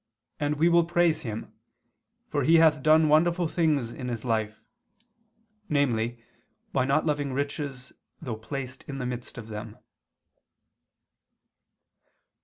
and we will praise him; for he hath done wonderful things in his life," namely by not loving riches though placed in the midst of them.